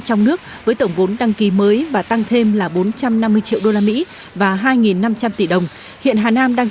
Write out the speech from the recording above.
trong nước với tổng vốn đăng ký mới và tăng thêm là bốn trăm năm mươi triệu usd và hai năm trăm linh tỷ đồng hiện hà nam đang